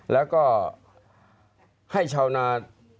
แล้วก็ให้ชาวนา